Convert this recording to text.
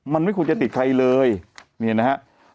มันไม่ควรจะติดใครเลยนี่นะฮะ